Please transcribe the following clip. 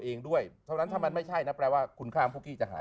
เองด้วยเท่านั้นถ้ามันไม่ใช่นะแปลว่าคุณค่าของพวกกี้จะหาย